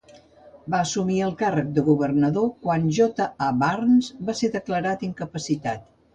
Va assumir el càrrec de governador quan John A. Burns va ser declarat incapacitat.